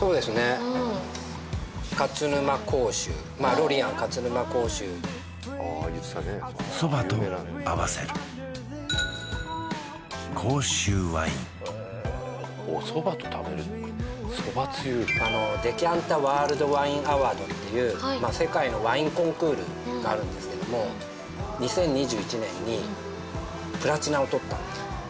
ロリアン勝沼甲州そばと合わせる甲州ワインデキャンタ・ワールド・ワイン・アワードっていう世界のワインコンクールがあるんですけども２０２１年にプラチナをとったんです